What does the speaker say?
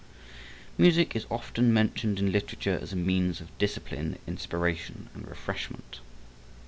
Music is often mentioned in literature as a means of discipline, inspiration and refreshment.